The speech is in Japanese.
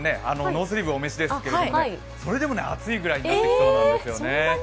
ノースリーブお召しですけどそれでも暑いぐらいになってきそうなんですよね。